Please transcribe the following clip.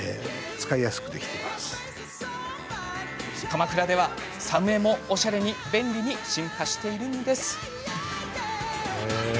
鎌倉では作務衣も、おしゃれに便利に進化しているんです。